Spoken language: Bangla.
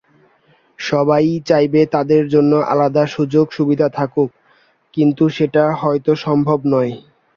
সবাই-ই চাইবে তাদের জন্য আলাদা সুযোগ-সুবিধা থাকুক, কিন্তু সেটা হয়তো সম্ভব নয়।